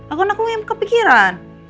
aku gak kepikiran